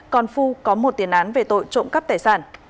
còn phu có một tiền án về tội trộm cắp tài sản